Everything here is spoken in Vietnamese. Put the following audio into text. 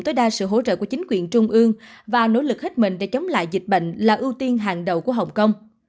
tối đa sự hỗ trợ của chính quyền trung ương và nỗ lực hết mình để chống lại dịch bệnh là ưu tiên hàng đầu của hồng kông